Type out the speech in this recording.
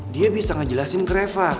dia bisa ngejelasin ke reva